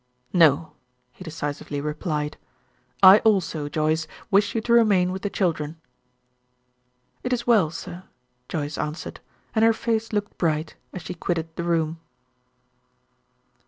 "No," he decisively replied. "I also, Joyce, wish you to remain with the children." "It is well, sir," Joyce answered, and her face looked bright as she quitted the room.